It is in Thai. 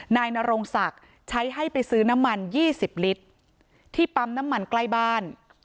นายนรงศักดิ์ใช้ให้ไปซื้อน้ำมัน๒๐ลิตรที่ปั๊มน้ำมันใกล้บ้าน